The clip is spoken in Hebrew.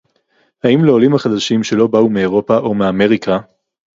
האם לעולים החדשים שלא באו מאירופה או מאמריקה